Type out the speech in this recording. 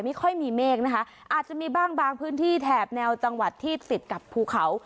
ไม่ค่อยมีเมฆนะคะอาจจะมีบ้างบางพื้นที่แถบแนวจังหวัดที่ติดกับภูเขา